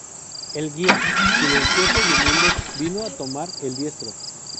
el guía, silencioso y humilde, vino a tomar el diestro.